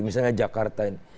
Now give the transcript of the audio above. misalnya jakarta ini